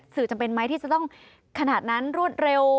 จำเป็นไหมที่จะต้องขนาดนั้นรวดเร็ว